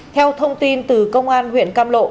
theo thông tin từ công an huyện cam lộ